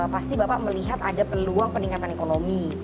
pasti bapak melihat ada peluang peningkatan ekonomi